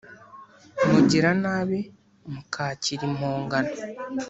mugira nabi mukakira impongano